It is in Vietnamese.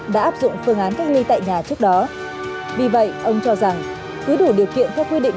đã áp dụng phương án cách ly tại nhà trước đó vì vậy ông cho rằng cứ đủ điều kiện theo quy định